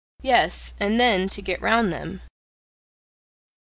Yes, and then to get round them.